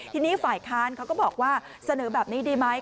ทีนี้ฝ่ายค้านเขาก็บอกว่าเสนอแบบนี้ดีไหม